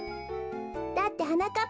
だってはなかっ